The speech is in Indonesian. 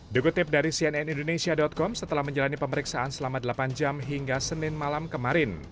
dikutip dari cnn indonesia com setelah menjalani pemeriksaan selama delapan jam hingga senin malam kemarin